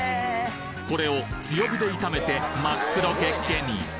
これを強火で炒めて真っ黒けっけに！